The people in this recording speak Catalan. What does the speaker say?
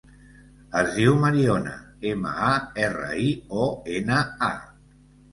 Es diu Mariona: ema, a, erra, i, o, ena, a.